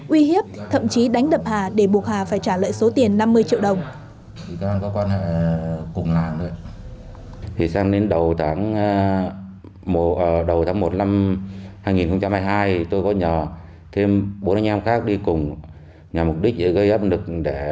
uy hiếp thậm chí đánh đập hà để buộc hà phải trả lại số tiền năm mươi triệu đồng